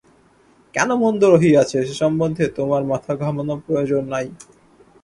কেন মন্দ রহিয়াছে, সে-সম্বন্ধে তোমার মাথা-ঘামানো প্রয়োজন নাই।